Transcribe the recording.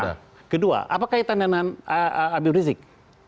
nah kedua apa kaitan dengan abi brzee